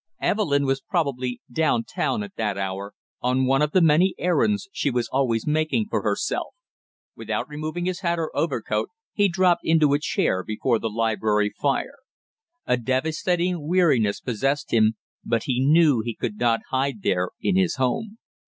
Evelyn was probably down town at that hour, on one of the many errands she was always making for herself. Without removing his hat or overcoat he dropped into a chair before the library fire. A devastating weariness possessed him, but he knew he could not hide there in his home.